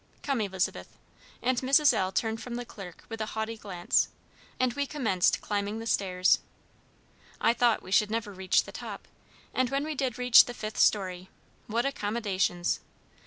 Come, Elizabeth," and Mrs. L. turned from the clerk with a haughty glance, and we commenced climbing the stairs. I thought we should never reach the top; and when we did reach the fifth story, what accommodations!